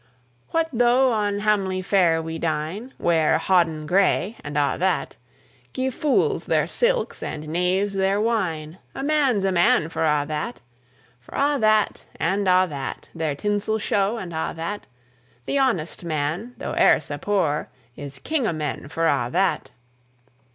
What though on hamely fare we dine, Wear hoddin gray, and a' that; Gie fools their silks, and knaves their wine, A man's a man for a' that! For a' that, and a' that, Their tinsel show, and a' that; The honest man, though e'er sae poor, Is king o' men for a' that!